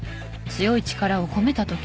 強い力を込めた時？